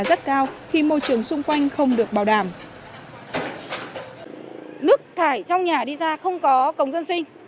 nước thải trong nhà đi ra không có cống dân sinh